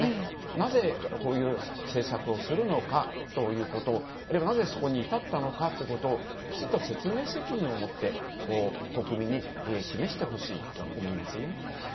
なぜ、こういう政策をするのかということなぜ、そこに至ったのかということをきちっと説明責任をもって国民に示してほしいと思いますね。